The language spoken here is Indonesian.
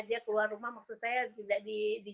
dia keluar rumah maksud saya tidak di